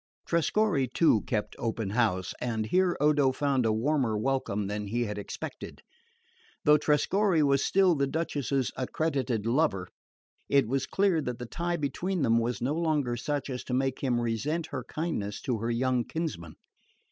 Trescorre too kept open house, and here Odo found a warmer welcome than he had expected. Though Trescorre was still the Duchess's accredited lover, it was clear that the tie between them was no longer such as to make him resent her kindness to her young kinsman.